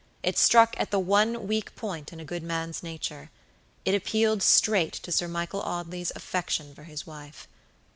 It struck at the one weak point in a good man's nature. It appealed straight to Sir Michael Audley's affection for his wife.